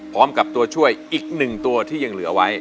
พร้อมกับตัวช่วยอีกหนึ่งตัวที่ยังเหลือไว้